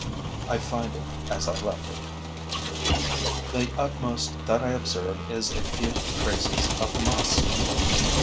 I find it as I left it. The utmost that I observe is a few traces of must.